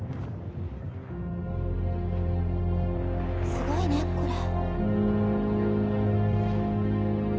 すごいねこれ∈